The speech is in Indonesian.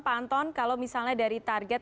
panton kalau misalnya dari target